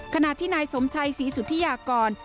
ขณะที่นายสมชัยศรีสุธิยากร